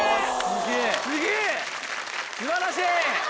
素晴らしい！